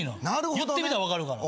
言ってみたら分かるから。